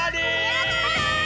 やった！